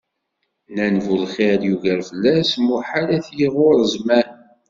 Nnan bu lxir yugar fell-as, muḥal ad t-iɣurr zzman.